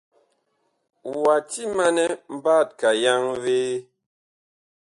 Wa timanɛ mbatka yaŋvee?